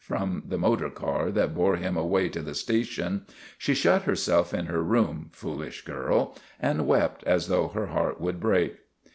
from the motor car that bore him away to the station, she shut herself in her room, foolish girl, and wept as though her heart would break.